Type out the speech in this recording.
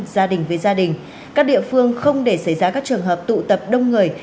gia đình với gia đình các địa phương không để xảy ra các trường hợp tụ tập đông người